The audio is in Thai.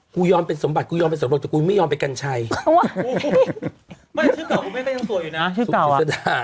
ยอมเป็นสมบัติกูยอมเป็นสมบัติแต่กูไม่ยอมไปกัญชัยไม่ชื่อต่อคุณแม่ก็ยังสวยอยู่นะชื่อสุกฤษดา